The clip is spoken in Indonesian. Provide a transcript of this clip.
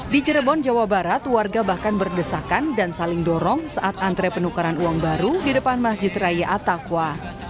di cirebon jawa barat warga bahkan berdesakan dan saling dorong saat antre penukaran uang baru di depan masjid raya atakwa